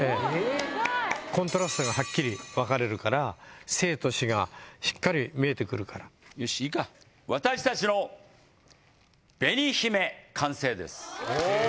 コントラストがはっきり分かれるから生と死がしっかり見えてくるからよしいいか私たちの「紅姫」！